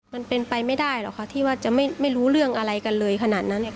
มันเป็นไปไม่ได้หรอกค่ะที่ว่าจะไม่รู้เรื่องอะไรกันเลยขนาดนั้นเนี่ย